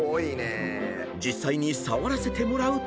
［実際に触らせてもらうと］